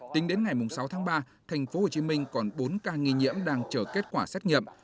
tính đến ngày sáu tháng ba tp hcm còn bốn ca nghi nhiễm đang chờ kết quả xét nghiệm